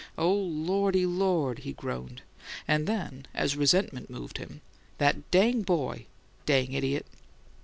"Oh, Lordy, Lord!" he groaned, and then, as resentment moved him "That dang boy! Dang idiot!"